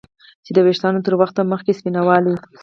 چې د ویښتانو تر وخته مخکې سپینوالی